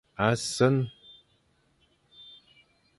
A sen.